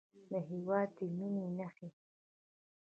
د هېواد د مینې نښې